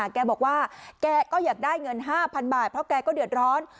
แกบอกว่าแกก็อยากได้เงิน๕๐๐บาทเพราะแกก็เดือดร้อน